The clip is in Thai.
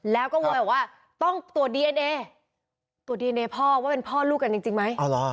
แล้วก็บอกว่าต้องตัวดีเอ็นเอตัวดีเอ็นเอพ่อว่าเป็นพ่อลูกอันนี้จริงไหม